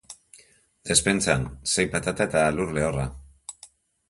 Despentsan, sei patata eta lur lehorra.